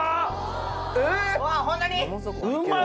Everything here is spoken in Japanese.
ホントに？